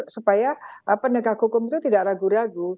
supaya penegak hukum itu tidak ragu ragu